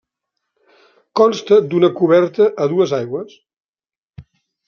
Consta d'una coberta a dues aigües.